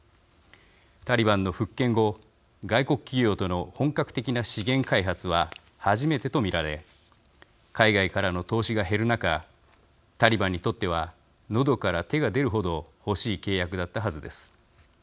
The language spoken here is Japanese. タリバンの復権後外国企業との本格的な資源開発は初めてと見られ海外からの投資が減る中タリバンにとってはのどから手が出るほど欲しい契約だったはずです。